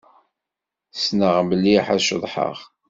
Ssneɣ mliḥ ad ceḍḥeɣ.